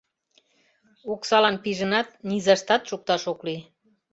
Оксалан пижынат, низаштат шукташ ок лий.